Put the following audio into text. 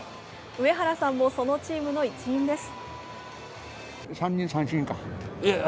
上原さんもそのチームの一員です。